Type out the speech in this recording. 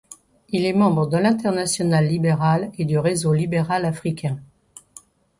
Il est membre de l'Internationale libérale et du Réseau Libéral Africain.